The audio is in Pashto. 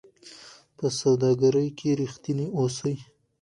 په سوداګرۍ کې رښتیني اوسئ.